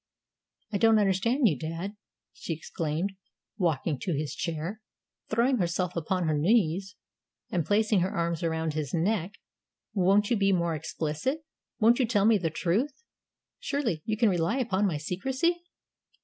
"I don't understand you, dad," she exclaimed, walking to his chair throwing herself upon her knees, and placing her arms around his neck. "Won't you be more explicit? Won't you tell me the truth? Surely you can rely upon my secrecy?"